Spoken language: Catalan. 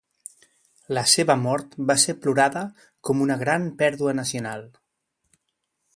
La seva mort va ser plorada com una gran pèrdua nacional.